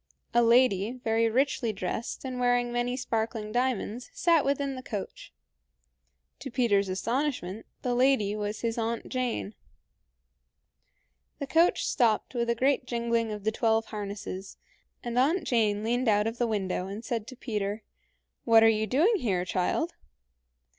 A lady, very richly dressed and wearing many sparkling diamonds, sat within the coach. To Peter's astonishment, the lady was his Aunt Jane. The coach stopped with a great jingling of the twelve harnesses, and Aunt Jane leaned out of the window, and said to Peter, "What are you doing here, child?"